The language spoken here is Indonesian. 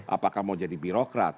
apakah mau jadi birokrat